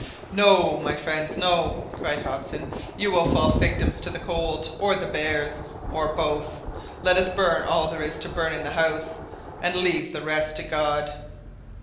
"No, my friends, no!" cried Hobson; "you would fall victims to the cold, or the bears, or both. Let us burn all there is to burn in the house, and leave the rest to God